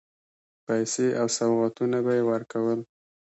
پیسې او سوغاتونه به یې ورکول.